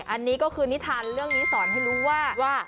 อันนี้ก็คือนิทานเรื่องนี้สอนให้รู้ว่า